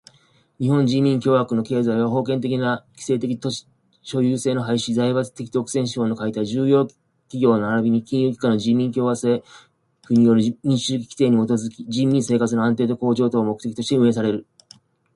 日本人民共和国の経済は封建的寄生的土地所有制の廃止、財閥的独占資本の解体、重要企業ならびに金融機関の人民共和政府による民主主義的規制にもとづき、人民生活の安定と向上とを目的として運営される。